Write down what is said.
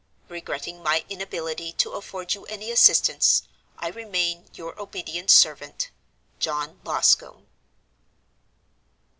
"Regretting my inability to afford you any assistance, I remain, your obedient servant, "JOHN LOSCOMBE."